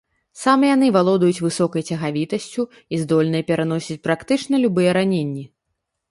Самі яны валодаюць высокай цягавітасцю і здольныя пераносіць практычна любыя раненні.